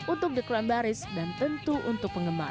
untuk the crown baris dan tentu untuk penggemar